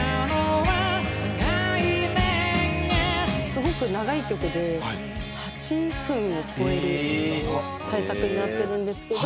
すごく長い曲で８分を超える大作になってるんですけど。